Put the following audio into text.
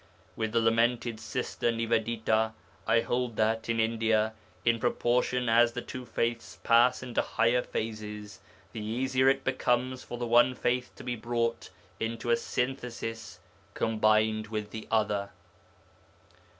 With the lamented Sister Nivedita I hold that, in India, in proportion as the two faiths pass into higher phases, the easier it becomes for the one faith to be brought into a synthesis combined with the other.